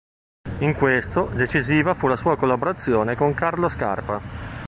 In questo, decisiva fu la sua collaborazione con Carlo Scarpa.